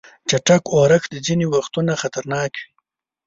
چټک اورښت ځینې وختونه خطرناک وي.